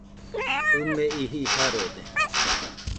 ɨ me iji Jarode